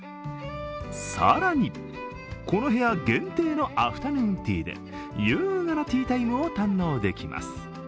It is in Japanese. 更に、この部屋限定のアフタヌーンティーで優雅なティータイムを堪能できます。